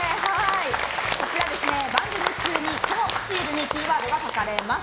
番組中にこのシールにキーワードが書かれます。